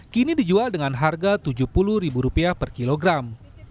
kini dijual dengan harga rp tujuh puluh per kilogram